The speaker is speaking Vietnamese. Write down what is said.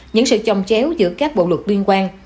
những sự chồng chéo giữa các bộ luật liên quan